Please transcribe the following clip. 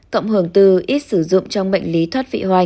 cộng hưởng từ ít sử dụng trong bệnh lý thoát vị hoay